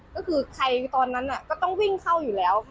ก็คือใครตอนนั้นก็ต้องวิ่งเข้าอยู่แล้ว